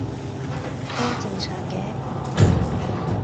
都正常嘅